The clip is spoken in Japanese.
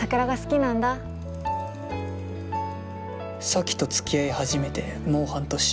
咲とつきあい始めてもう半年。